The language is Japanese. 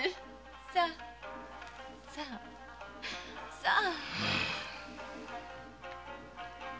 ささあ！さあ！